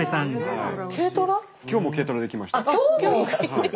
今日も軽トラで来ました。